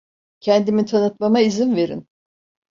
Kendimi tanıtmama izin verin.